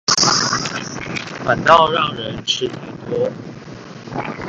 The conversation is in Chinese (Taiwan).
反倒讓人吃太多